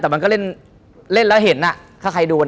แต่มันก็เล่นแล้วเห็น